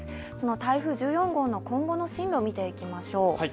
台風１４号の今後の進路を見ていきましょう。